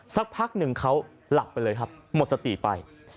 สักพักหนึ่งเขาหลับไปเลยครับหมดสติไป